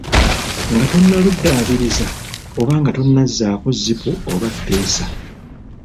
Nga tonnaluddaabiriza oba nga tonnazzaako zipu oba ppeesa.